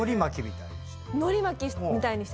のり巻きみたいにして。